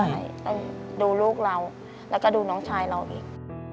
ใช่ต้องดูลูกเราแล้วก็ดูน้องชายเราอีก